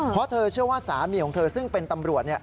เพราะเธอเชื่อว่าสามีของเธอซึ่งเป็นตำรวจ